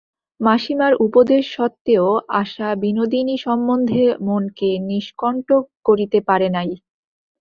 মাসিমার উপদেশসত্ত্বেও আশা বিনোদিনী সম্বন্ধে মনকে নিষ্কন্টক করিতে পারে নাই।